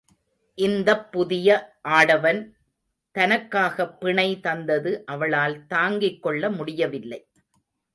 இந்தப் புதிய ஆடவன் தனக்காகப் பிணை தந்தது அவளால் தாங்கிக் கொள்ள முடியவில்லை.